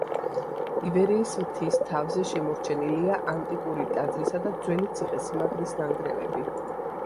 ივერიის მთის თავზე შემორჩენილია ანტიკური ტაძრისა და ძველი ციხესიმაგრის ნანგრევები.